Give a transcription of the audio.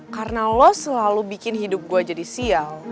karena lo selalu bikin hidup gue jadi sial